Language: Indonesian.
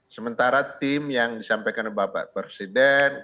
sementara tim yang disampaikan oleh bapak presiden